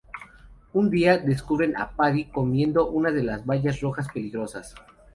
Un día, descubren a Paddy comiendo una de las bayas rojas peligrosas.